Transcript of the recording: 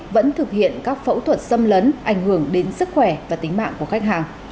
vẫn thực hiện các phẫu thuật xâm lấn ảnh hưởng đến sức khỏe và tính mạng của khách hàng